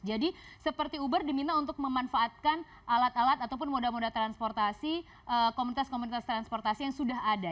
jadi seperti uber diminta untuk memanfaatkan alat alat ataupun moda moda transportasi komunitas komunitas transportasi yang sudah ada